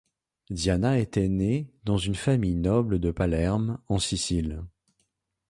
Diana était né dans une famille noble de Palerme, en Sicile.